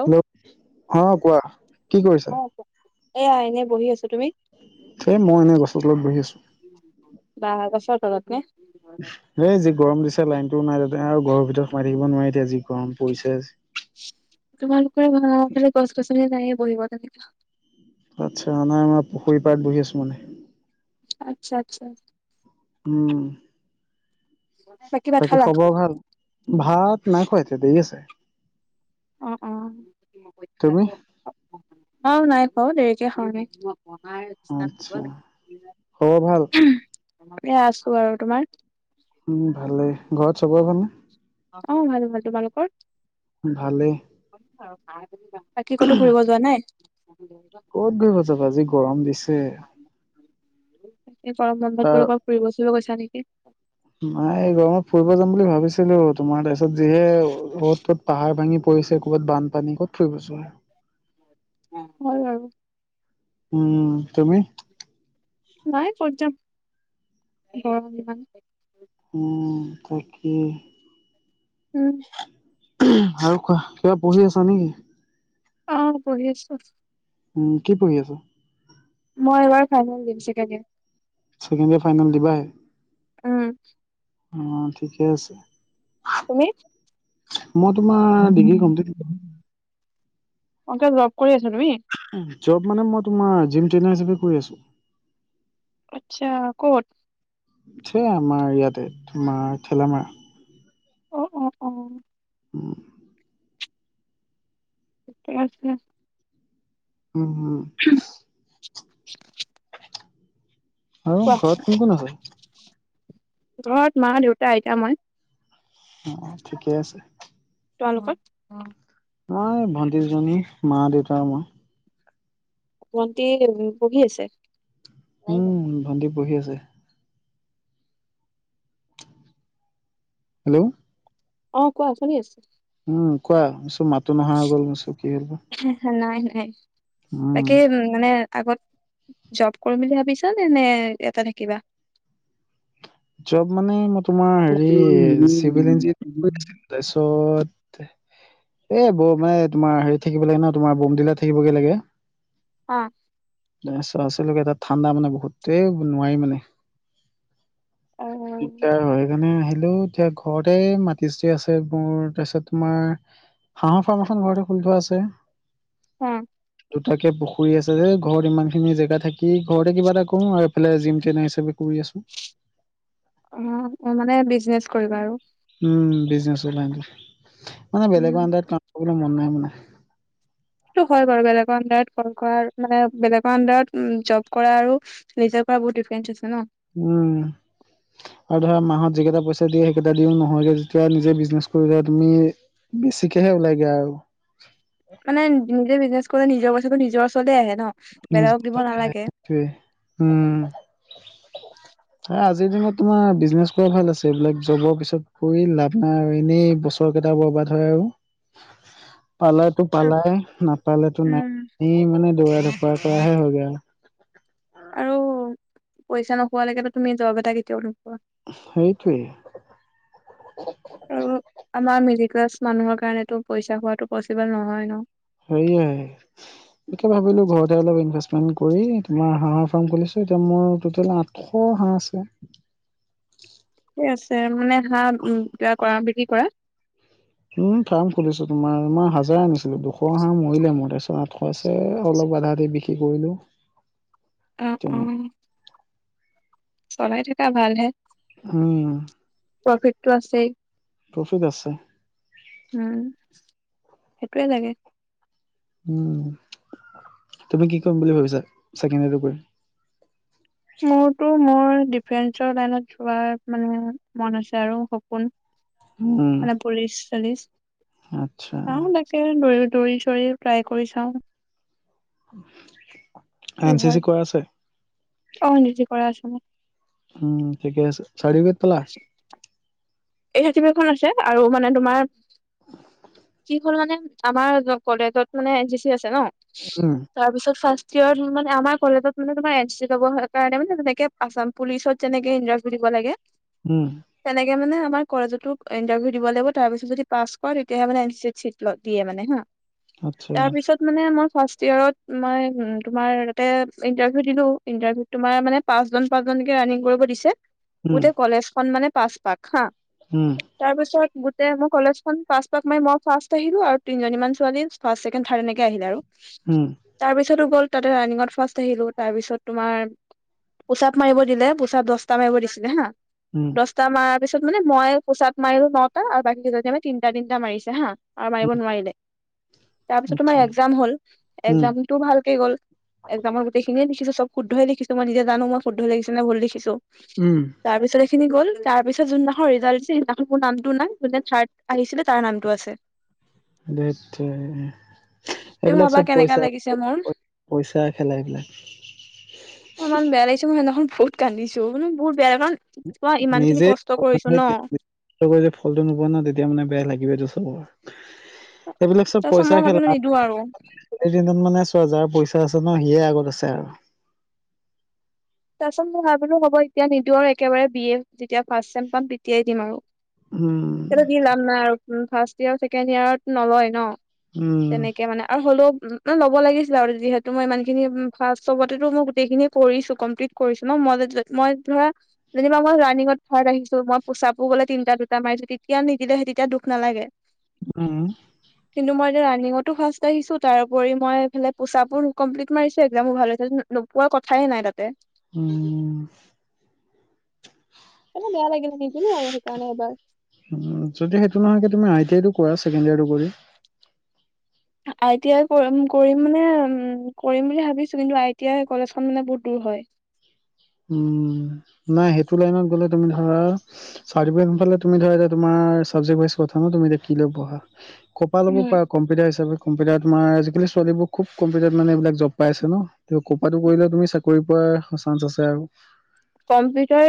Hello অ কোৱা কি কৰিছা? এয়া এনে বহি আছো তুমি এই মই এনেই গছৰ তলত বহি আছো বাঁহ গছত তলত নে এ যি গৰম দিছে লাইনটোও নাই তাতে আৰু ঘৰৰ ভিতৰত সোমাই থাকিব নোৱাৰে এতিয়া যি গৰম পৰিছে তোমালোকৰে ভাল আমাৰ ফালে গছ -গছনি নায়ে বহিব তেনেকুৱা আচ্ছা নাই আমাৰ পুখুৰী পাৰত বহি আছো মানে আচ্ছা আচ্ছা উম বাকী ভাত বাকি খালা? খবৰ ভাল ভাত নাইখোৱা এতিয়া দেৰি আছে অ অ তুমি অ নাই খোৱা অ দেৰিকে খাও আচ্ছা খবৰ ভাল আমি [unintelligible] এ আছো আৰু তোমাৰ উম ভালেই ঘৰত চবৰে ভালনে অ' ভাল ভাল তোমালোকৰ ভালে বাকী কতো ফুৰিব যোৱা নাই ক'ত ঘূৰিব যাবা যি গৰম দিছে এই গৰমবন্ধত তাৰ কৰোবাত ফুৰিব- চুৰিব গৈছা নেকি নাই এই গৰমত ফুৰিব যাম বুলি ভাবিছিলো তোমাৰ তাৰ পিছত যিহে য'ত ত'ত পাহাৰ ভাঙি পৰি পৰিছে ক'ৰবাত বানপানী ক'ত ফুৰিব যোৱা। হয় বাৰু উম তুমি নাই ক'ত যাম গৰম ইমান। তাকেই উম আৰু কোৱা কিবা পঢ়ি আছা নেকি অ' পঢ়ি আছো উম কি পঢ়ি আচা মই এইবাৰ ফাইনেল দিম second year second year final দিবাহে উম অ' ঠিকে আছে। তুমি মই তোমাৰ, ডিগ্ৰী কমপ্লিট। অ', এতিয়া জব কৰি আছো তুমি? জব মানে মই তোমাৰ, জিম ট্ৰেইনাৰ হিচাপে কৰি আছো। আচ্ছা। ক'ত? আমাৰ ইয়াতে, তোমাৰ ঠেলামাৰা। অ', অ', অ' [inaudible] ইয়েছ, ইয়েছ উম [inaudible] আৰু, কোৱা ঘৰত কোন কোন আছে? ঘৰত মা-দেউতা, আইতা, মই। অ', ঠিকেই আছে। তোমালোকৰ? আমাৰ এই ভণ্টি দুজনী, মা-দেউতা, আৰু মই। ভণ্টি কেইজনী, পঢ়ি আছে? উম, ভণ্টি পঢ়ি আছে। হেল্ল' অ', কোৱা শুনি আছোঁ। উম, কোৱা? মিছো মাতো নহা হৈ গ'ল, মিছো কি হ'ল বা? নাই, নাই। বাকী উম মানে আগত, জব কৰিম বুলি ভাবিছানে? নে এয়াতে থাকিবা? জব মানে মই তোমাৰ হেৰি, চিভিল ইঞ্জিনিয়াৰ কৰিছিলোঁ। তাৰপিছত এ ব মানে, তোমাৰ হেৰিত থাকিব লাগে ন তোমাৰ, বমডিলা থাকিবগে লাগে। অ' তাৰপিছত, আছিলোগে তাত, ঠাণ্ডা মানে বহুত এই নোৱাৰি মানে। অ দিগদাৰ হয়, সেইকাৰণে হলেও এতিয়া ঘৰতে, মাটি-চাটি আছে মোৰ। তাৰপিছত তোমাৰ হাঁহৰ ফাৰ্ম এখন ঘৰতে খুলি থোৱা আছে। উম। দুটাকে পুখুৰী আছে যে, ঘৰত ইমান খিনি জেগা থাকি, ঘৰতে কিবা এটা কৰো আৰু এফালে জিম ট্ৰেইনাৰ হিচাপে কৰি আছো। অ, অ মানে বিজনেচ কৰিবা আৰু। উম, বিজনেচৰ লাইনটো। মানে উম। বেলেগৰ আন্দাৰত কাম কৰিবলৈ মন নাই মানে। সেইটো হয় বাৰু, বেলেগৰ অন্দাৰত কাম কৰা, মানে বেলেগৰ আন্দাৰত জব কৰা আৰু নিজে কৰা বহুত ডিফাৰেঞ্চ আছে ন। উম। আৰু ধৰা, মাহত যিকেইটা পইচা দিয়ে সেইকেইটা দিও নহয়গে যেতিয়া, নিজে বিজনেচ কৰিলে তুমি বেছিকেহে ওলাইগে আৰু। মানে, নিজে বিজনেছ কৰিলে, নিজৰ পইচাটো নিজৰ ওচৰতে আহে ন। নিজৰ বেলেগক দিব হাততে আহে, নালাগে সেইটোৱে। উম। এ আজ আজিৰ দিনত তোমাৰ, বিজনেছ কৰা ভাল আছে। এইবিলাক জবৰ পিছত ঘূৰি লাভ নাই আৰু, এনেই বছৰ কেইটা বৰ্বা বাদ হয় আৰু। পালাইটো আৰু পালাই, নাপালেটো উম নাই। এই মানে দৌৰা ধপৰা কৰাহে হয়গৈ আৰু। আৰু পইচা নোপোৱালৈকেটো তুমি, জব এটা কেতিয়াও নোপোৱা। সেইটোৱেই। আৰু আমাৰ মিডিল ক্লাছ মানুহৰ কাৰণেটো, পইচা খোৱাটো পচিবল নহয় ন। সেইয়াই, তাকে ভাবিলো ঘৰতে অলপ ইনভেছ মেণ্ট কৰি তোমাৰ হাঁহৰ ফাৰ্ম খুলিছোঁ, এতিয়া মোৰ টোটেল আঠশ হাঁহ আছে। [inaudible] ছে মানে হাঁহ উ এয়া কৰা বিক্ৰী কৰা। উম ফাৰ্ম খুলিছো তোমাৰ হাজাৰেই আনিছিলো দুশ হাহ মৰিলে মোৰ তাৰছত আঠশ আছে অলপ আধা আধি বিক্ৰী কৰিলো। অ', অ',। তেনে চলাই থকা ভালহে উম প্ৰফিটটো আছেই। প্ৰফিত আছে। উম সেইটোৱে লাগে। উম তুমি কি কৰিম বুলি ভাবিছা [unintelligible] কৰি। মোৰতো মোৰ ডিফেন্সৰ লাইনত যোৱাৰ মানে মন আছে আৰু সপোন। মানে উম পুলিচ চুলিচ আচ্ছা। চাওঁ তাকে দৌৰি দৌৰি চৌৰি ট্ৰাই কৰি চাওঁ। কি এন চি হয় চি কৰা আছে। অ', [unintelligible] কৰা আছে মোৰ। উম ঠিকে আছে চাট্ৰিফিকেত পালা? এই [unintelligible] খন আছে আৰু মানে তোমাৰ [unintelligible] হল মানে আমাৰ কলেজত মানে এন্ চি চি আছে ন, উম তাৰ পিছত ফাৰ্ষ্ট মানে আমাৰ কলেজত মানে তোমাৰ এন চি চি লব কাৰণে মানে তেনেকে আছাম পুলিচত যেনেকে ইণ্টাৰভিউ দিব লাগে হম। তিয় মানে আমাৰ কলেজতো ইণ্টাৰভিউ দিব লাগিব তাৰ পিছত যদি পাছ কৰে তেতিয়াহে মানে এন চি এত চিট দিয়ে মানে হা। আচ্ছা তাৰ পিছত মানে মই ফাৰ্ষ্ট ইয়েৰত মই তুমাৰ তাতে ইন্টাৰভিউ দিলো ইন্টাৰভিউত তোমাৰ মানে পাঁচজন পাঁচজন এতিয়া ৰানিং কৰিব দিছে। উম গোটেই কলেজ খন মানে পাছ পাক হা উম তাৰ পিছত তে মোৰ কলেজখন পাছ পাক মাৰি মই ফাৰ্ষ্ট আহিলো আৰু তিনিজনীমান ছোৱালী ফাৰ্ষ্ট ছেকেণ্ড থাৰ্ড এনেকে আহিল আৰু। উম তাৰপিছতো গ'ল তাতে ৰানিংত ফাৰ্ষ্ট আহিলো তাৰপিছত তোমাৰ পোচাপ মাৰিব দিলে পোচাপ দছটা মাৰিব দিছিলে হা উম দছটা মাৰাৰ পিছত মানে মই পোচাত মাৰিলো নটা আৰু বাকীক যদি আমি তিনটা তিনটা মাৰিছে হা আৰু মাৰিব উম নোৱাৰিলে তাৰ পিছত তোমাৰ আচ্ছা একজাম হ'ল উম একজামটো ভালকে গ'ল একজাম গট যিখিনিয়ে লিখিছো চব শুদ্ধহে দেখিছো মই নিজে জানো মই শুদ্ধে লিছে ন ভুল দেখিছো উম তাৰ পিছ তিনি গ'ল তাৰ পিছ যোনদিনা ৰিজাল্ট দিছিল সেইদিনাখন মোৰ নামটো নাই যোন থাৰ্ড আহিছিলে তাৰ নামটো আছে। দেঠ। তুমি এইবিলাক ভাবা চব কেনেকা পইচা লাগিছে মোৰ পইচা খেলা এইবিলাক। অ', ইমান বেয়া লাগিছে মই সেইদিনাখন বহুত কান্দিছো মানে বহুত বেয়া লাগে কাৰণ কোৱা ইমান খিনি নিজে কষ্ট সেই কৰিছো ন ফলটো নোপোৱা ন তেতিয়া মানে বেয়া লাগিবটো চব এইবিলাক চব তাৰ পিছত পইচা মই ভাবিলো নিদো আৰু খেলাত মানে চোৱা যাৰ পইচা আ আছে ন সিয়ে আগত আছে আৰু। তাৰপাছত মই ভাল পানো হ'ব এতিয়া নিদিওঁ আৰু একেবাৰে বি এ যেতিয়া ফাৰ্ষ্ট চেম পাম তেতিয়াই দিম উম, আৰু। দি লাম নাই আৰু ফাৰ্ষ্ট ইয়ৰ ছেকেণ্ড ইয়োৰত নলয় ন। উম, তেনেকে মানে আৰু হ'লেও ন ল'ব লাগিছিল আৰু যিহেতু মই ইমান খিনি ফাৰ্ষ চবতেতো মই গোটেইখিনি কৰিছো কমপ্লিট কৰিছো ন মই মই ধৰা যেনিবা মই ৰাণিংত থাৰ্ড আহিছো মই পোচাপো গলে তিনটা দুটা ম তেতিয়া নিদিলেহে তেতিয়া দুখ নালাগে। উম'। ৰাণিংতো ফাৰ্ষ্ট আহিছো তাৰপৰি মই ফালে পোচাো কমপ্লিট মাৰিছো এক্মো ভাল হৈছে নোপোৱা কথাই নাই তাতে। উম সেইকাৰণে বেয়া লাগিলে নিদিলো আৰু সেইকাৰণে এবাৰ উ যদি সেইটো নহয় কি তুমি আই টি আই কৰা ছেকেণ্ড ইয়াৰটো কৰি। আই টি আই কৰিম মানে উ কৰিম বুলি ভাবিছো কিন্তু আই টি আই কলেজখন মানে বহুত দূৰ হয়। [inaudible] উম নাই সেইটো লাইনত গ'লে তুমি ধৰা চটি সোনফালে তুমি ধৰা এতি তোমাৰ তোমাৰ চাবজেক্ট ৱাইছ কথা নহ কি লই পঢ়া কপা লব উম পৰা কম্পিউটাৰ হিচাপে কম্পিউটাৰ তোমাৰ আজিকাল ছোৱালীবোৰ খুব কমিউটাৰ মানে এইবাক জব পাইছে ন ক'ৰাতো কৰিলে তুমি চাকৰি পোৱা চান্স আছে আৰু কম্পিউটাৰ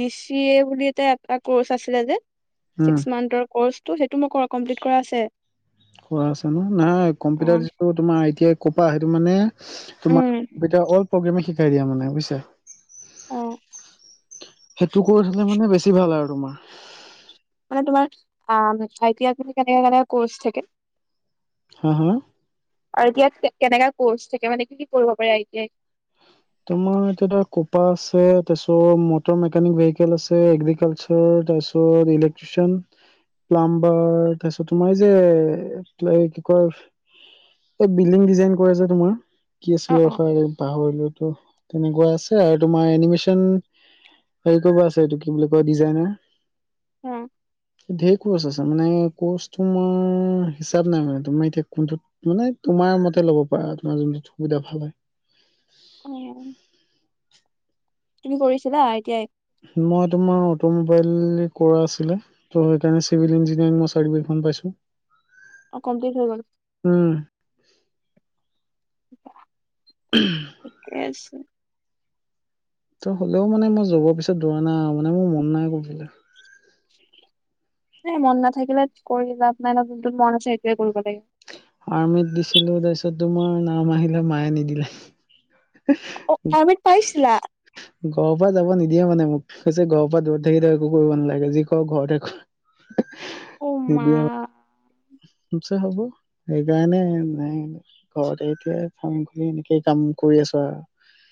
ডি চি এ বুলি এটা এটা কৰ্চ আছিলে যে উম, ছিক্স মান্থৰ কচটো সেইটো মই কমপ্লিট কৰা আছে। খোৱা আছ ন নহয় উম কম্পিউটাৰ যিটো তোমাৰ আই টি আই কপা সেইটো মানে তোমাক অল প্ৰগ্ৰেমে শিকাই দিয়া মানে বুযিছা অ সেইটো কৰিছিলে মানে বেছি ভাল আৰু তোমাৰ মানে তোমাৰ আহ চ কেনেকাা কেনেকা কৰ্চ থাকে হা হা আৰু এতিয়া কেনেকা কৰ্চ থাকে মানে কি কি কৰিব পাৰেই টই তোমাৰ এতিয়া কোপা আছে তাৰপিছত মটৰ মেকানিক ভেহিকেল আছে এগ্ৰিকালচাৰ তাৰিছত ইলেক্ট্ৰিচিয়ান প্লাম্বাৰ তাৰপিছত তোমাৰ এই যে এই কি কয় এ বিল্ডিং ডিজাইন কৰি আছে তোমাৰ কি অ আছিলে অ এ পাহৰিলো তো তেনেকুৱা আছে আৰু তোমাৰ এনিমেশচন হেৰি কব আছে এইটো কি বুলি কয় ডিজাইনাৰ উম ধেৰ কৰ্চ আছে মানে কৰ্চ তোমাৰ হিচাপ নাই মানে তোমাৰ এতিয়া কোনটোত মানে তোমাৰ তমাৰ মতে ল'ব পাৰা তোমাৰ যোন সুবিধা ভাল হয়। উম তুমি কৰিছিলা আই টি আই মই তোমাৰ অটিমবিলে কৰা আছিল ত হেইকৰণে চিভিল ইঞ্জিনিয়াৰিং চাৰ্টিফিকেট খণ পাইছো। অ' কমপ্লিট হৈ গল উম ঠিকে আছে। ত হ'লেও মানে মই যবৰ পিছত দৌৰা নাই আৰু মানে মোৰ মন নাই কিলো [unintelligible] এ মন নাথাকিলে কৰি লাভ নাই ন', যোনটোত মন আছে সেইটোৱে কৰিব লাগে। আৰ্মীত দিছিলো তাৰপিছত তোমাৰ নাম আহিলে মায়ে নিদিলে। অ'-আৰ্মীত পাইছিলা। ঘৰৰ পৰা যাব নিদিয়ে মানে মোক, কৈছে ঘৰৰ পৰা দূৰত থাকি একো কৰিব নালাগে যি কৰ ঘৰতে কৰ। অ মা নিদিয়ে নি [unintelligible] হ'ব সেইকাৰণে নাই, ঘৰতে এতিয়া ফাৰ্ম খুলি এনেকেই কাম কৰি আছো আৰু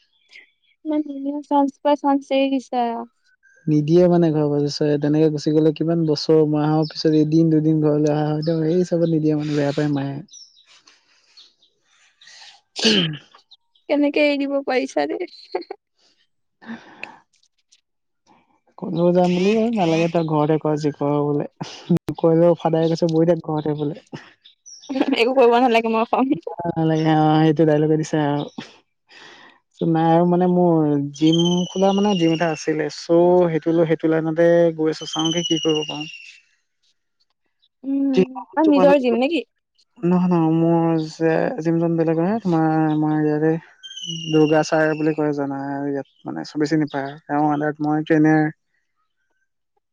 ইমান ধুনীয়া চান্স পাই চান্স এৰি দিছা। নিদিয়ে মানে ঘৰৰ চ, তেনেকে গুচি গ'লে কিমান বছৰ মাহৰ পিছত এদিন দুদিন ঘৰলৈ অহা হয় এই চবত নিদিয়ে মানে বেয়া পায় মায়ে। উম [unintelligible] কেনেকে এৰি দিব পাৰিছা? উ [unintelligible] ক'লেও যাম বুলি নালাগে তই ঘৰতে কৰ, যি কৰ বোলে, কলে [unintelligible] ফাদাৰে কৈছ বহ থাক ঘৰতে বোলে। [unintelligible] একো কৰিব নালাগে মই খাম। লাই অ সেইটো ডাইলগে দিছো তোমাৰ মানে মোৰ জিম খোলা মানে ড্ৰিম এটা আছিলে। ত' সেইটো-সেইটো লাইনতে গৈ আছো চাওগে কি কৰিব পাৰোঁ। কি উম আৰু নিজৰ জিম [unintelligible] নেকি? ন ন মোৰ যে যিজন [unintelligible] বেলেগৰ আহ তোমাৰ আমাৰ ইয়াৰে দুৰ্গা চাৰ বুলি কয় জাই ইয়াত মানে চবে চিনিপায়, তেওঁ মই ট্ৰেইনে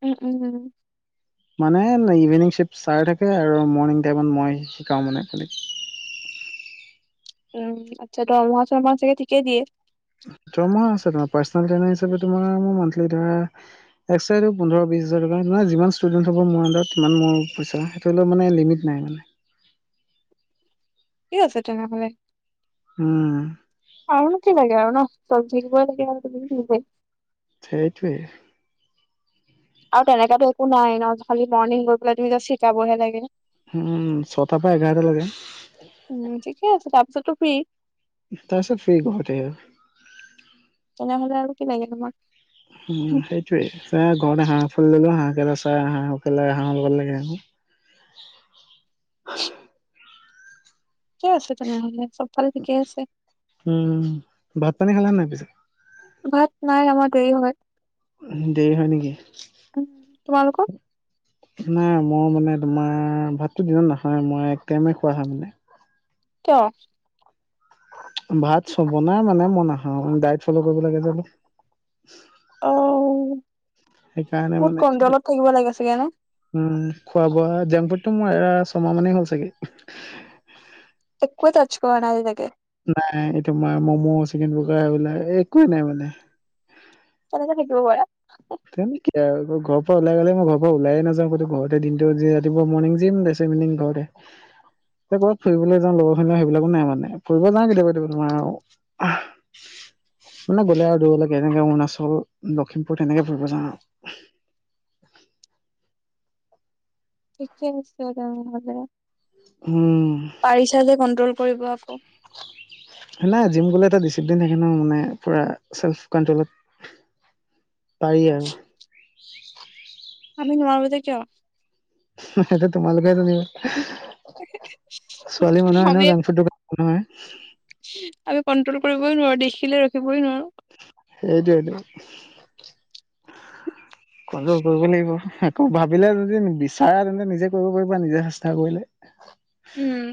উম, উম, উম। মানে ইভিনিং শ্বিফ্ট চাৰ থাকে আৰু মৰ্ণিং টাইমত মই শিকাওঁ মানে, খালী [unintelligible] উম, আচ্ছা, দৰমহা চৰমহা চাগে ঠিকে দিয়ে। হয় [unintelligible] দৰমহা হিচাপে নহয়, পাৰচনেল ট্ৰেইনাৰ হিচাপে তোমাৰ মোৰ মানথ্‌লি ধৰা একচাইডে পোন্ধৰ, বিশ হাজাৰ টকা আপোনাৰ যিমান ষ্টুডেণ্ট হ'ব মোৰ আন্দাৰতসিমান মোৰ পইচা, সেইটোলৈ মানে লিমিট নাই মানে। [inaudible] ঠিক আছে তেনেহ'লে, উম আৰুনো কি লাগে আৰু ন'। চিব [unintelligible] লাগে আৰু তুমি সেইটোৱেই। আৰু তেনেকাতো একো নাই ন', খালি মৰ্ণিং গৈ পেলাই তুমি যাচ শিকাবহে লাগে। উম, ছটাৰ পৰা এঘাৰটা লৈকে। ছটো ফ্ৰি তাৰপাছত ফ্ৰি ঘৰতে আৰু। তেনেহ'লে আৰু কি লাগে তোমাক। উম, সেইটোৱে চ ঘৰতে হা [unintelligible] ফুল দিলো হাঁহ কেল [unintelligible] চাই হাঁহ সকেলাই হাঁহৰ লগত লাগে আহনো উ [unintelligible] ঠিকেই আছে তেনেহ'লে, চবফালে ঠিকেই আছে। উম ভাত পানী খালা নাই পিছে? ভাত নাই আমাৰ দেৰি হয়। উ দেৰি হয় নেকি? উম তোমালোকৰ? নাই মই মানে তোমাৰ ভাততো দিনত নাখাওৱে মই একটাইমে খোৱা হয় মানে। কিয়? ভাত চ বনাই মানে মই নাখাওঁ ডাইট ফ'ল' কৰিব লাগে যে। অ', সেইকাৰণে মানে বহুত কনট্ৰলত থাকিব লাগে চাগে নে? উম খোৱা বোৱা জাংক ফুডটো মোৰ এয়া ছমাহ মানেই হ'ল চাগে। একো তচ কৰা নাই তেনেকে। নাই এইটোমাৰ ম'ম' চিকেন বগাৰ এইবিলাক একোৱেই নাই মানে। কেনেকে থাকিব পাৰা? ঘৰ লাই গ'লে, মই ঘৰ পৰা ওলাইে নাযাওঁ, ঘৰ দিনটো যে ৰাপুৱা মৰ্িং যিম তাৰপিছত িনং ঘৰে। যে ক'াত ফুৰিবলৈ যাওঁ লগৰ ধ সেইবিলাকো নাই মানে, ফুৰিব যাওঁ কেতিয়াবা কেতিয়াবা তোমাৰ আৰু। মানে গ'লে আৰু দূৰলৈকে এনেকে অৰুণাচল লখিমপুৰ তেনেকে ফুৰিবলৈ যাওঁ আৰু। [unintelligible] উম পাৰিছা যে কন্ট্ৰল কৰিব আকৌ। হয় নাই জিম গ'লে এটা ডিচিপ্লিন থাকে ন মানে পুৰা চেল্ফ কনট্ৰলত। পাৰি আৰু। আমি নোৱাৰো যে কিয়? সেটো তোমালোকে হে জানিব। ছোৱালী মানুহ হয় ন আমি জাংক ফুড দ মানুহ হয়। কণ্ট্ৰল কৰিবই নোৱাৰো, দেখিলে ৰখিবই নোৱাৰো। সেইটোটো। কন্ট্ৰল কৰিব লাগিব। ভাবিলে যদি বিচাৰে তেন্তে নিজে কৰিব পাৰিবা নিজে চেষ্টা কৰিলে। উম।